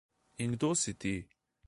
In kdo si ti?